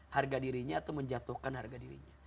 harga dirinya atau menjatuhkan harga dirinya